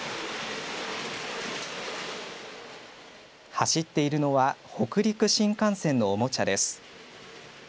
走っているのは北陸新幹線のおもちゃです。